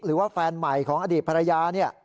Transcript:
หรือว่าแฟนใหม่ของอดีตภรรยาเนี่ย